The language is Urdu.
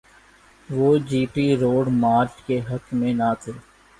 وہ جی ٹی روڈ مارچ کے حق میں نہ تھے۔